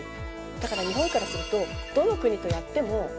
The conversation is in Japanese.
だから日本からするとどの国とやってもやりやすい。